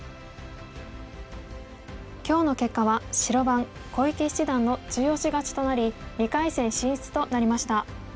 今日の結果は白番小池七段の中押し勝ちとなり２回戦進出となりました。